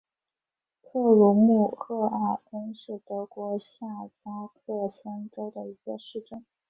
克鲁姆赫尔恩是德国下萨克森州的一个市镇。